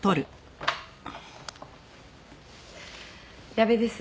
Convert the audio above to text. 矢部です。